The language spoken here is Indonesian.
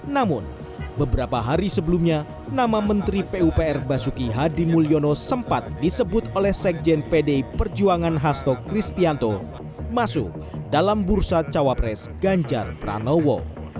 namun beberapa hari sebelumnya nama menteri pupr basuki hadi mulyono sempat disebut oleh sekjen pdi perjuangan hasto kristianto masuk dalam bursa cawapres ganjar pranowo